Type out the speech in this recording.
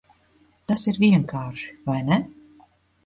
Tas ir vienkārši, vai ne?